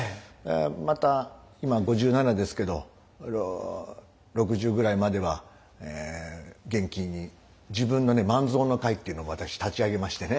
また今５７ですけど６０ぐらいまでは元気に自分のね「万蔵の会」っていうのも私立ち上げましてね。